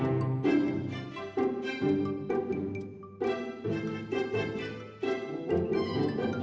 okay udah siap cepet dulu nih